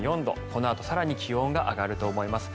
このあと更に気温が上がると思います。